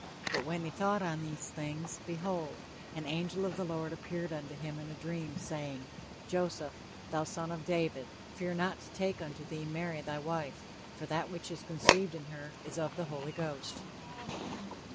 But when he thought on these things, behold, an angel of the Lord appeared unto him in a dream, saying, Joseph, thou son of David, fear not to take unto thee Mary thy wife; for that which is conceived in her is of the Holy Ghost."